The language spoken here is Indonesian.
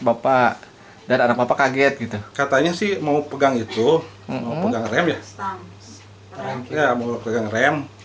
bapak dan anak bapak kaget gitu katanya sih mau pegang itu mau pegang rem ya mau pegang rem